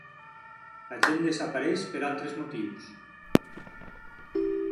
La gent desapareix per altres motius.